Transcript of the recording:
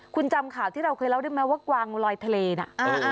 คุณจำข่าวที่เราเคยเล่าได้ไหมว่ากวางลอยทะเลน่ะ